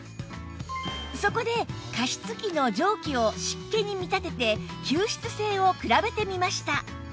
そこで加湿器の蒸気を湿気に見立てて吸湿性を比べてみました